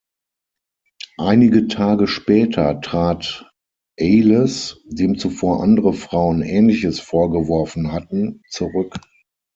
Einige Tage später trat Ailes, dem zuvor andere Frauen Ähnliches vorgeworfen hatten, zurück.